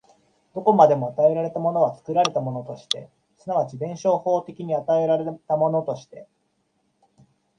どこまでも与えられたものは作られたものとして、即ち弁証法的に与えられたものとして、